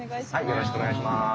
よろしくお願いします。